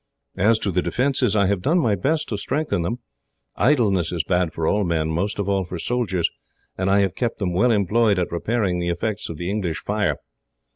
As to the defences, I have done my best to strengthen them. Idleness is bad for all men, most of all for soldiers, and I have kept them well employed at repairing the effects of the English fire.